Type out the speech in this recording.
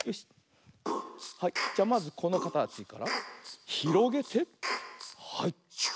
はいじゃまずこのかたちからひろげてはい。